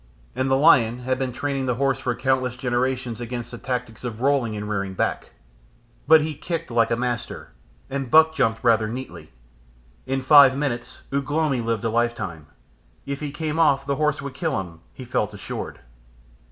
And the lion had been training the horse for countless generations against the tactics of rolling and rearing back. But he kicked like a master, and buck jumped rather neatly. In five minutes Ugh lomi lived a lifetime. If he came off the horse would kill him, he felt assured.